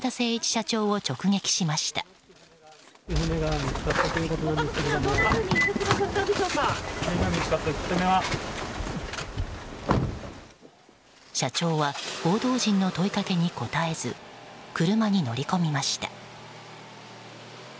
社長は報道陣の問いかけに答えず車に乗り込みました。